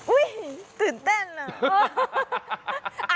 อุ้ยตื่นเต้นน่ะ